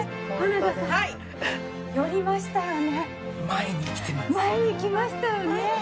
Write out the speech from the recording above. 前にきましたよね。